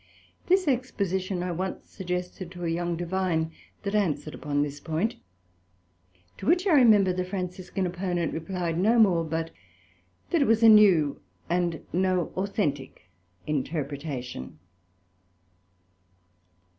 This exposition I once suggested to a young Divine, that answered upon this point; to which I remember the Franciscan Opponent replyed no more, but That it was a new, and no authentick interpretation.